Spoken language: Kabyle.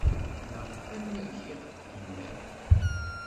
Neɣ arma giɣ-d inaw?